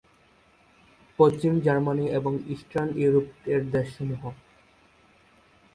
পশ্চিম Germany এবং eastern Europe এর দেশসমূহ।